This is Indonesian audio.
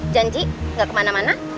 janji gak kemana mana